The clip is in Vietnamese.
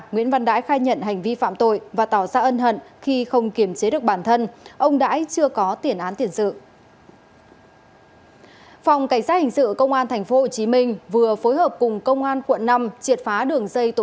nguyễn văn đải sinh năm một nghìn chín trăm năm mươi tám trú tại quận hà đông thành phố hà nội đã dùng dao đâm tử vong người hàng xóm